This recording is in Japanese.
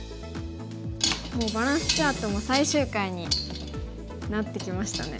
もうバランスチャートも最終回になってきましたね。